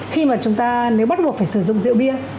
khi mà chúng ta nếu bắt buộc phải sử dụng rượu bia